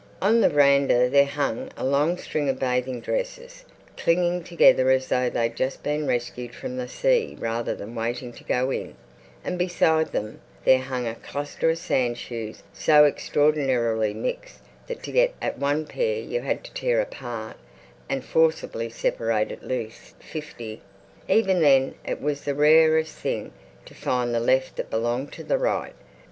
On the veranda there hung a long string of bathing dresses, clinging together as though they'd just been rescued from the sea rather than waiting to go in, and beside them there hung a cluster of sandshoes so extraordinarily mixed that to get at one pair you had to tear apart and forcibly separate at least fifty. Even then it was the rarest thing to find the left that belonged to the right.